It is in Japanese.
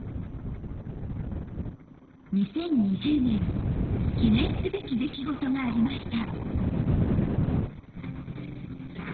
２０２０年記念すべき出来事がありました。